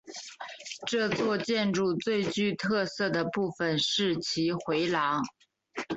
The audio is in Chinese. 这座建筑最具特色的部分是其回廊。